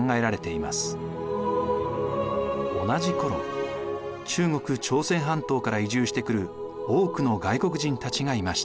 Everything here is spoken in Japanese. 同じ頃中国朝鮮半島から移住してくる多くの外国人たちがいました。